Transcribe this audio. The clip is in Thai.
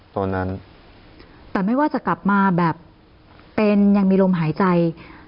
ตอนนั้นแต่ไม่ว่าจะกลับมาแบบเป็นยังมีลมหายใจ